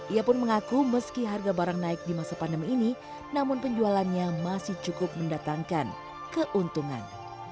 ia pun mengaku meski harga barang naik di masa pandemi ini namun penjualannya masih cukup mendatangkan keuntungan